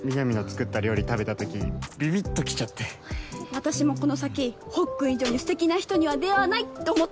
私もこの先ほっくん以上にすてきな人には出会わないって思ったんです。